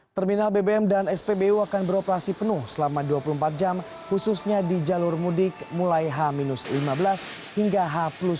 terminal bbm dan spbu akan beroperasi penuh selama dua puluh empat jam khususnya di jalur mudik mulai h lima belas hingga h sepuluh